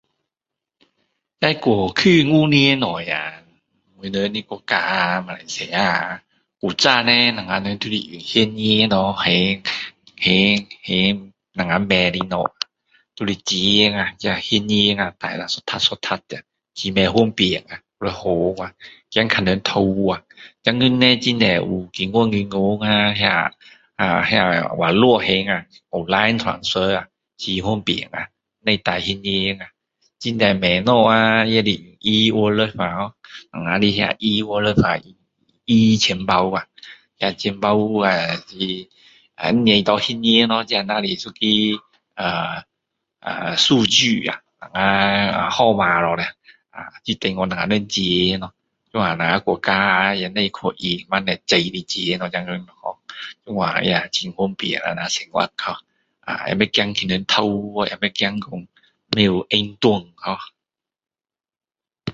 在过去5年内实现那个我们的国家呀马来西亚呀以前叻我们都是用现钱拿来还还我们买的东西就是钱呀这个现钱啦带到一叠一叠的很不方便还要看着怕被人偷去现在叻很多有经过银行呀网络还呀online transfer 很方便不用带现钱很多买东西也是e wallet 我们的那个e wallet e 钱包呀钱包呀不用拿现钱咯这只是一个数据呀号码就是等于们的钱咯这样我们国家呀也不用去印那么多的钱现在这样也很方便我们生活也不用怕被人偷也不怕忘记放哪里